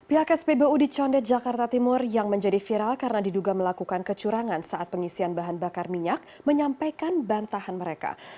pihak spbu di condet jakarta timur yang menjadi viral karena diduga melakukan kecurangan saat pengisian bahan bakar minyak menyampaikan bantahan mereka